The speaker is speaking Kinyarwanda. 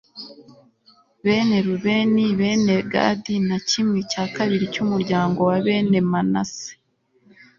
bene rubeni, bene gadi na kimwe cya kabiri cy'umuryango wa bene manase